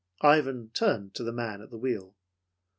Ivan turned to the man at the wheel.